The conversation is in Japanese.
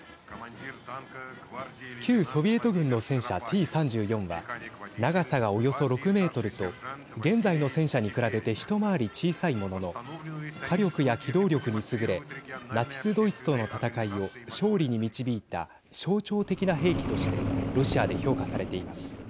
旧ソビエト軍の戦車Ｔ３４は長さがおよそ６メートルと現在の戦車に比べて一回り小さいものの火力や機動力に優れナチス・ドイツとの戦いを勝利に導いた象徴的な兵器としてロシアで評価されています。